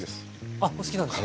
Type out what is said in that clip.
あっお好きなんですか。